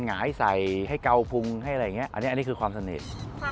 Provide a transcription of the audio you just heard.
ความยากในการเลี้ยงเขาเป็นยังไงบ้าง